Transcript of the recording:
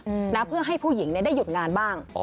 อืมนะเพื่อให้ผู้หญิงเนี้ยได้หยุดงานบ้างอ๋อ